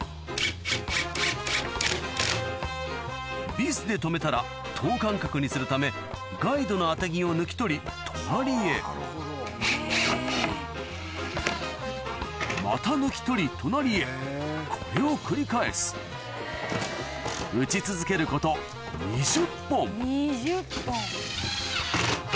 ビスで留めたら等間隔にするためガイドの当て木を抜き取り隣へまた抜き取り隣へこれを繰り返す打ち続けること２０本２０本！